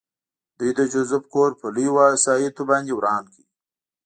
دوی د جوزف کور په لویو وسایطو باندې وران کړ